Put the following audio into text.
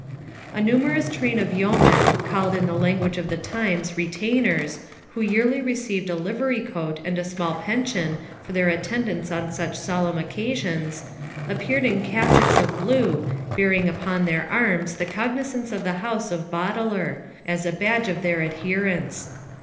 A numerous train of yeomen, called in the language of the times retainers, who yearly received a livery coat and a small pension for their attendance on such solemn occasions, appeared in cassocks of blue, bearing upon their arms the cognisance of the house of Boteler, as a badge of their adherence.